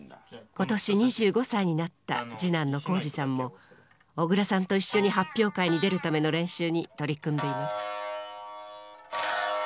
今年２５歳になった次男の宏司さんも小椋さんと一緒に発表会に出るための練習に取り組んでいます。